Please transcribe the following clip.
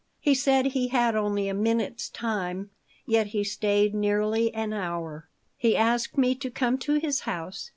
He said he had only a minute's time, yet he stayed nearly an hour. He asked me to come to his house.